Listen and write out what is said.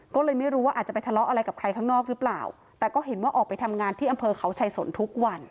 ก็เลยไม่รู้ว่าอาจจะไปทะเลาะอะไรกับใครข้างนอกหรือเปล่าแต่ก็เห็นว่าออกไปทำงานที่อำเภอเขาชายสนทุกวัน